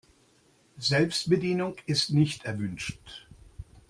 Selbstbedienung ist nicht erwünscht.